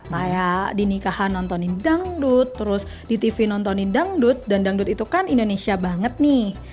kayak di nikahan nontonin dangdut terus di tv nontonin dangdut dan dangdut itu kan indonesia banget nih